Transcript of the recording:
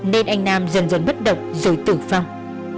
nên anh nam dần dần bất động rồi tử vong